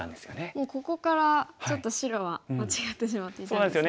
もうここからちょっと白は間違ってしまっていたんですね。